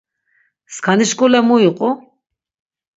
Skani şk̆ule mu iqu?